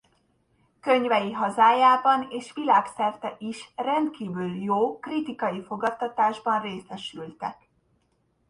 Könyvei hazájában és világszerte is rendkívül jó kritikai fogadtatásban részesültek.